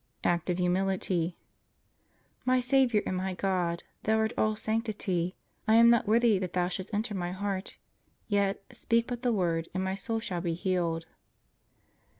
Act of Humility. My Saviour and my God, Thou art all sanctity. I am not worthy that Thou shouldst enter my heart; yet, speak but the word and my soul shall be healed.